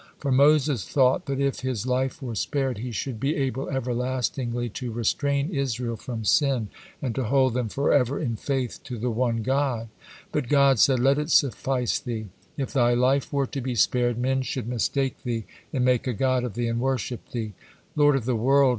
For Moses thought that if his life were spared, he should be able everlastingly to restrain Israel from sin and to hold them forever in faith to the one God. But God said: "' Let it suffice thee.' If thy life were to be spared, men should mistake thee, and make a god of thee, and worship thee." "Lord of the world!"